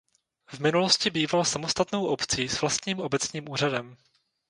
V minulosti býval samostatnou obcí s vlastním obecním úřadem.